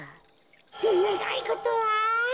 ねがいごとは？